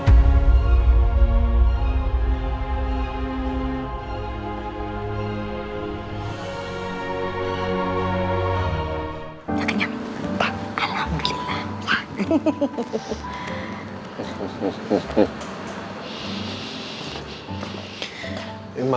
tak kenyang tak alhamdulillah